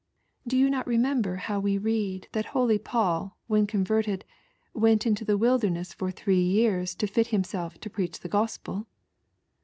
" Do you not remember how we read that holy , when converted, went into the wilderness for u ee years to fit himself to preach the gospel